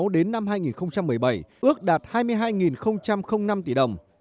đến năm hai nghìn một mươi bảy ước đạt hai mươi hai năm tỷ đồng